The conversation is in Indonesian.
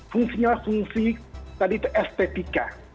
fungsinya fungsi estetika